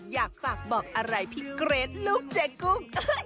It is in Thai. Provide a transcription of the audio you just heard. อยากฝากบอกอะไรพี่เกรทลูกเจ๊กุ้ง